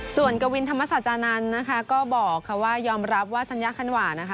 ส่วนกวินธรรมศาจานันทร์นะคะก็บอกค่ะว่ายอมรับว่าสัญญาคันหวานนะคะ